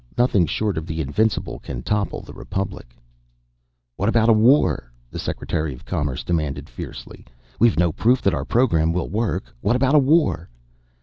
Nothing short of the invincible can topple the Republic...." "What about a war?" the Secretary of Commerce demanded fiercely. "We've no proof that our program will work. What about a war?"